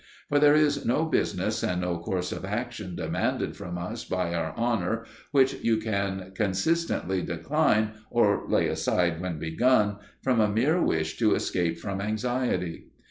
For there is no business and no course of action demanded from us by our honour which you can consistently decline, or lay aside when begun, from a mere wish to escape from anxiety.